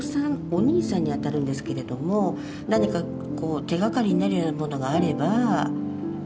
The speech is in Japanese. お兄さんにあたるんですけれども何かこう手がかりになるようなものがあれば。